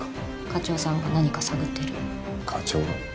課長さんが何か探ってる課長が？